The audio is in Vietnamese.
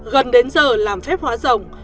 gần đến giờ làm phép hóa rồng